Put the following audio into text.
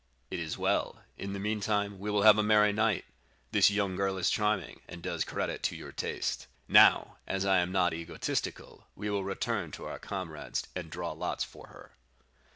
"'It is well; in the meantime, we will have a merry night; this young girl is charming, and does credit to your taste. Now, as I am not egotistical, we will return to our comrades and draw lots for her.